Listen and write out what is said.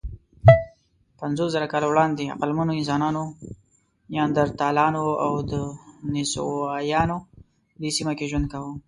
پنځوسزره کاله وړاندې عقلمنو انسانانو، نیاندرتالانو او دنیسووایانو دې سیمه کې ژوند کاوه.